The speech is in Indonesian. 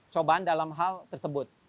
cobaan dalam hal tersebut